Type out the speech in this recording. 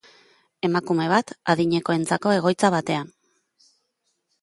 Emakume bat, adinekoentzako egoitza batean.